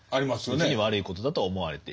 別に悪いことだとは思われていない。